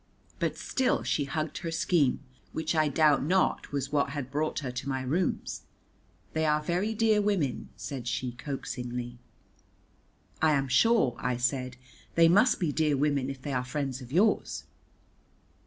But still she hugged her scheme, which I doubt not was what had brought her to my rooms. "They are very dear women," said she coaxingly. "I am sure," I said, "they must be dear women if they are friends of yours."